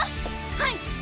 はい！